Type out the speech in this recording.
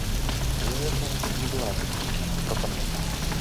Але гэта не была афіцыйная прапанова.